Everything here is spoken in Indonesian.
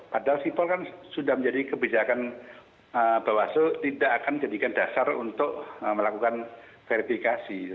padahal sipol kan sudah menjadi kebijakan bawaslu tidak akan jadikan dasar untuk melakukan verifikasi